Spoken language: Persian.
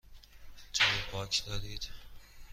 جای پارک دارید؟